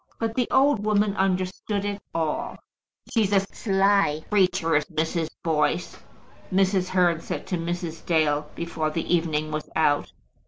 But the old woman understood it all. "She's a sly creature, is Mrs. Boyce," Mrs. Hearn said to Mrs. Dale, before the evening was out.